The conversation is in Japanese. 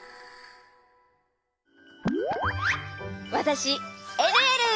わたしえるえる！